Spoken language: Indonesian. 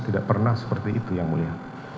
tidak pernah seperti itu yang mulia